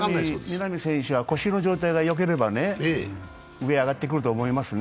稲見選手は腰の状態がよければ上にあがってくると思いますね。